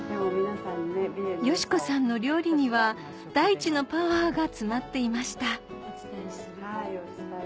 よしこさんの料理には大地のパワーが詰まっていました